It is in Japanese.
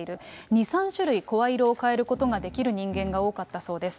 ２、３種類を声色を変えることができる人間が多かったそうです。